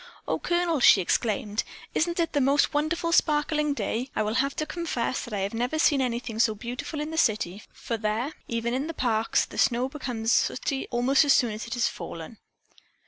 "Oh, Colonel," she exclaimed, "isn't this the most wonderful, sparkling day? I will have to confess that I have never seen anything so beautiful in the city, for there, even in the parks, the snow becomes sooty almost as soon as it has fallen."